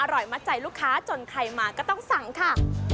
อร่อยมัดใจลูกค้าจนใครมาก็ต้องสั่งค่ะ